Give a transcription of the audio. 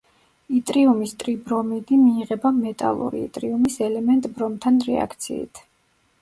იტრიუმის ტრიბრომიდი მიიღება მეტალური იტრიუმის ელემენტ ბრომთან რეაქციით.